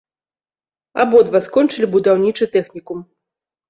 Абодва скончылі будаўнічы тэхнікум.